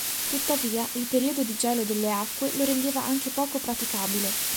Tuttavia il periodo di gelo delle acque lo rendeva anche poco praticabile.